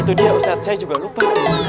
itu dia ustadz saya juga lupa